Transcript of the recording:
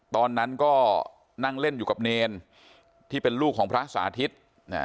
ตอนนั้นก็นั่งเล่นอยู่กับเนรที่เป็นลูกของพระสาธิต